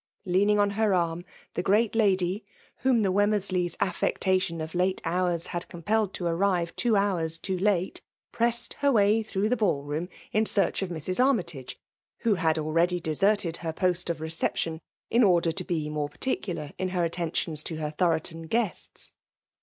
Leaning on her arm, the* great lady» whom the Wemmersley's. affectation of late honrci had compelled to arrive two houni too late> pressed her way through the ball ^ room in search of Mrs. Army tage ; who had already deserted her post of reception, in order to be more particular in her attentiooa. \o her Thoroton guests.